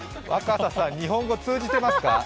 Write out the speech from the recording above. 若狭さん、日本語通じてますか？